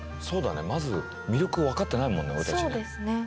そうだねまず魅力分かってないもんね